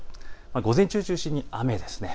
午前中を中心に雨です。